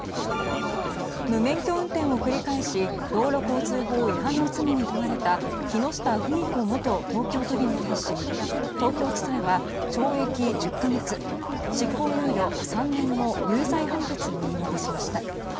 無免許運転を繰り返し道路交通法違反の罪に問われた木下富美子元東京都議に対し東京地裁は懲役１０か月執行猶予３年の有罪判決を言い渡しました。